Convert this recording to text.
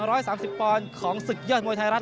รุ่น๑๓๐ปอนด์ของศึกยอดมวยไทยรัฐ